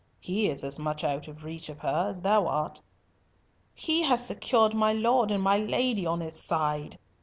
He is as much out of reach of her as thou art." "He has secured my Lord and my Lady on his side!"